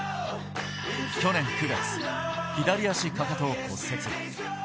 去年９月、左足かかとを骨折。